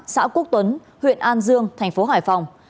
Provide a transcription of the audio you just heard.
xã quốc tuấn huyện an dương tp hải phòng